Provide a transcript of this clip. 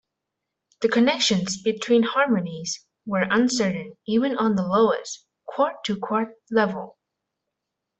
The connections between harmonies were uncertain even on the lowest—chord-to-chord—level.